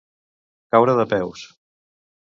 Caure de peus.